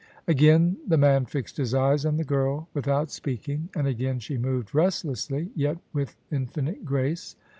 Again the man fixed his eyes on the girl without speak ing: and again she moyed restlessly, yet with infinite grace.